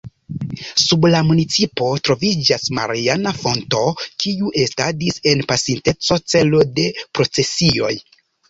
Sub la municipo troviĝas mariana fonto, kiu estadis en pasinteco celo de procesioj.